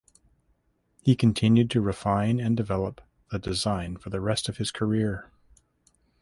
He continued to refine and develop the design for the rest of his career.